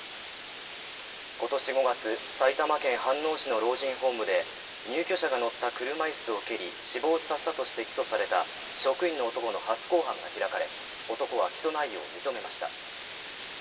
今年５月、埼玉県飯能市の老人ホームで、入居者が乗った車椅子を蹴り死亡させたとして起訴された職員の男の初公判が開かれ、男は起訴内容を認めました。